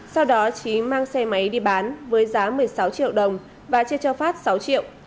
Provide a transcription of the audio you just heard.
sau đó trí mang xe máy đi bán với giá một mươi sáu triệu đồng và chia cho phát sáu triệu